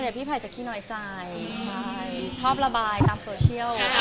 ส่วนใหญ่พี่ภัยจะขี้น้อยใจชอบระบายตามโซเชียล